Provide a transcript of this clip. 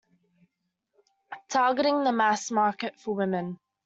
Targeting the mass market for women.